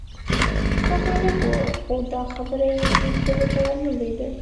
ښه خلک و، خو دا خبره یې هېڅ زړه ته نه لوېده.